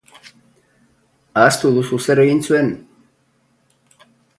Ahaztu duzu zer egin zuen?